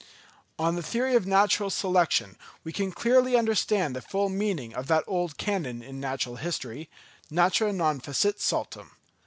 On the theory of natural selection we can clearly understand the full meaning of that old canon in natural history, "Natura non facit saltum."